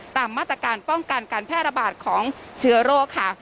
ตามมาตรการป้องกันการแพร่ระบาดของเชื้อโรคค่ะ